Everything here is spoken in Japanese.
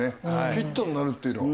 ヒットになるっていうのは。